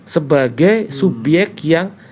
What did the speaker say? sebagai subyek yang